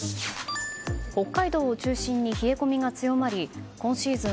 北海道を中心に冷え込みが強まり今シーズン